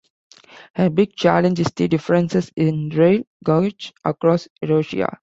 A big challenge is the differences in rail gauge across Eurasia.